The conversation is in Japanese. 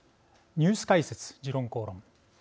「ニュース解説時論公論」。